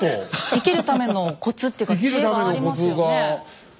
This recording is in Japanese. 生きるためのコツっていうか知恵がありますよね。